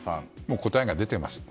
答えが出ています。